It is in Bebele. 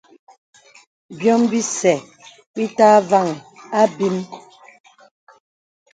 Bīòm bìsə bítà àvāŋhī àbīm.